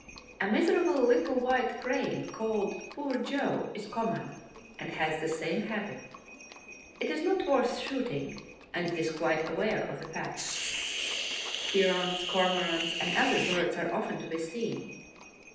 A miserable little white crane called "Poor Joe" is common, and has the same habit. It is not worth shooting, and it is quite aware of the fact. Herons, cormorants, and other birds are often to be seen.